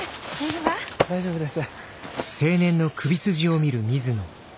大丈夫です。